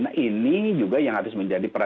nah ini juga yang harus menjadi perhatian